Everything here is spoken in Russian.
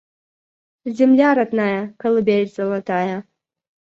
Земля родная - колыбель золотая.